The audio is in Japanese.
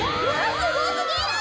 すごすぎる！